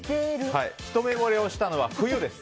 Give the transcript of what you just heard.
ひと目ぼれをしたのは冬です。